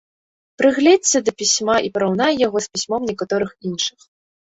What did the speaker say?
Прыгледзься да пісьма і параўнай яго з пісьмом некаторых нашых.